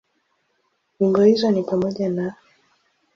Nyimbo hizo ni pamoja na;